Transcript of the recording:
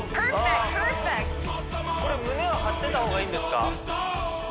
これ胸は張ってた方がいいんですか？